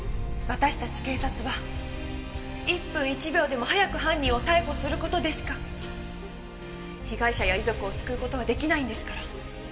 私たち警察は１分１秒でも早く犯人を逮捕する事でしか被害者や遺族を救う事は出来ないんですから。